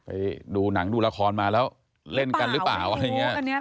ไปดูหนังดูละครมาแล้วเล่นกันหรือเปล่าอะไรอย่างนี้